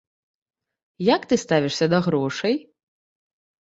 Як ты ставішся да грошай?